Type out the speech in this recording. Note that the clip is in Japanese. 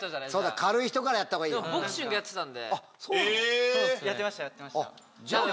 軽い人からやったほうがいいよ。